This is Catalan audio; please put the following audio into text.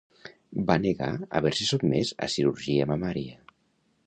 Va negar haver-se sotmès a cirurgia mamària.